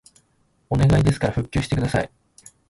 お願いですから復旧してください